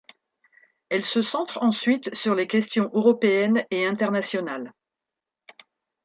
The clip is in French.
Elle se centre ensuite sur les questions européennes et internationales.